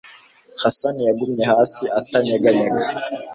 Hasani yagumye hasi atanyeganyega.